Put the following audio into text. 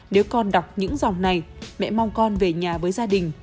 nếu con đọc những dòng này mẹ mong con về nhà với gia đình